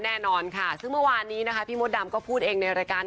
แน่นอนค่ะซึ่งเมื่อวานนี้นะคะพี่มดดำก็พูดเองในรายการ